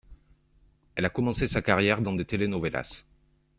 Elle a commencé sa carrière dans des telenovelas.